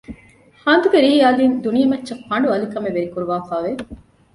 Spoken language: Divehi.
ހަނދުގެ ރިހި އަލިން ދުނިޔެމައްޗަށް ފަނޑު އަލިކަމެއް ވެރިކުރުވާފައި ވެ